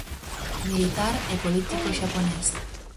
Militar e político xaponés.